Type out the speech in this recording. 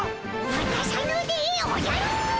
わたさぬでおじゃる！